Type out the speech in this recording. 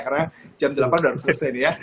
karena jam delapan sudah harus selesai